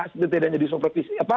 setidaknya di supervisi